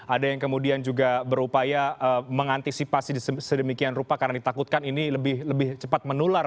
ada yang kemudian juga berupaya mengantisipasi sedemikian rupa karena ditakutkan ini lebih cepat menular